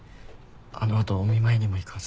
あのあとお見舞いにも行かず。